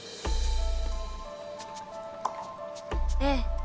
ええ。